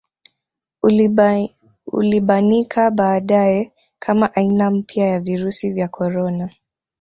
Ulibanika baadaye kama aina mpya ya virusi vya korona